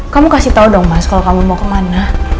kamu kasih tau dong mas kalau kamu mau kemana